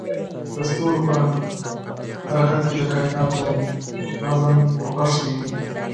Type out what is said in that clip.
د ستورو په حرکت کې د کایناتو نظم نغښتی دی.